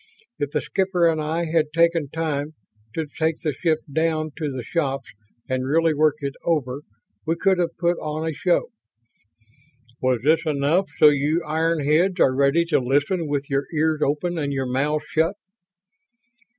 If the skipper and I had taken time to take the ship down to the shops and really work it over we could have put on a show. Was this enough so you iron heads are ready to listen with your ears open and your mouths shut?"